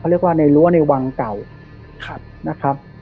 เขาเรียกว่าในรั่วในวังเก่าครับนะครับ